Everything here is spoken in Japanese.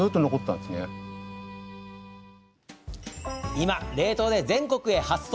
今、冷凍で全国へ発送。